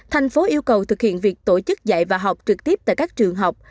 thành phố yêu cầu thực hiện việc tổ chức dạy và học trực tiếp tại các trường học